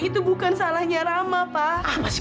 ibu ibu kenapa sih